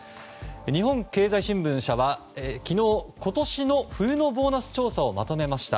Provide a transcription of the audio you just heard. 日本経済新聞社は昨日、今年の冬のボーナス調査をまとめました。